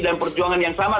dan perjuangan yang sama